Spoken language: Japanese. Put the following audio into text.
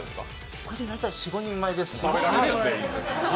これで大体４５人前ですね。